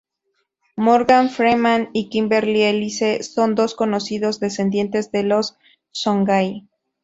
Morgan Freeman y Kimberly Elise son dos conocidos descendientes de los songhai.